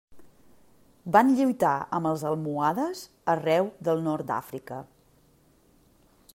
Van lluitar amb els almohades arreu del nord d'Àfrica.